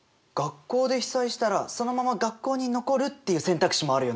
学校で被災したらそのまま学校に残るっていう選択肢もあるよね。